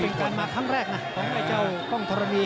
เพราะเราเป็นตั๋นก็จะมาทั้งแบบแรกนะของเจ้าทรวมพรานี